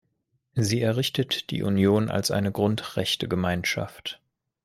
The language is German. Sie errichtet die Union als eine Grundrechtegemeinschaft.